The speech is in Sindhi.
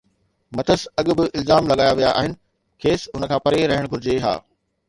مٿس اڳ به الزام لڳايا ويا آهن، کيس ان کان پري رهڻ گهرجي ها